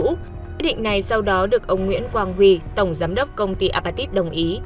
cũ quyết định này sau đó được ông nguyễn quang huy tổng giám đốc công ty apatit đồng ý